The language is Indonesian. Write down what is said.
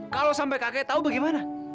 kalau sampai kakek tahu bagaimana